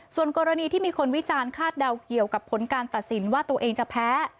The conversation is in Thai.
ส่วนกรณีที่มีคนวิจารณ์คาดเดาเกี่ยวกับผลการตัดสินว่าตัวเองจะแพ้